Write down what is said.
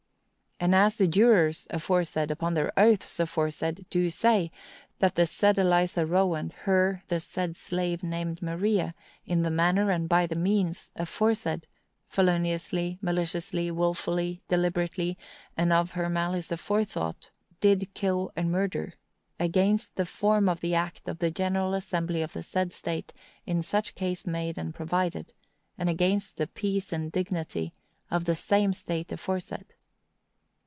And as the jurors aforesaid, upon their oaths aforesaid, do say, that the said Eliza Rowand her the said slave named Maria, in the manner and by the means, aforesaid, feloniously, maliciously, wilfully, deliberately, and of her malice aforethought, did kill and murder, against the form of the act of the General Assembly of the said state in such case made and provided, and against the peace and dignity of the same state aforesaid.